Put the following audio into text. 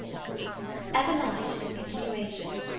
EVELINA IN CONTINUATION.